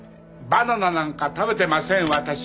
バナナなんか食べてません私は。